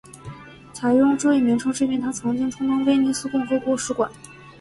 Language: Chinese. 采用这一名称是因为它曾经充当威尼斯共和国使馆。